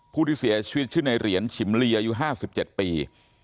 ผู้ที่เสียชีวิตชื่อในเหรียญฉิมลีอายุ๕๗ปี